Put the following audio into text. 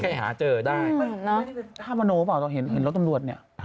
นี่คือธาบโมโนก์ปะเห็นรถตำรวจนี่